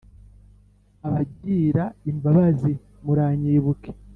Abagira imbabazi muranyibuke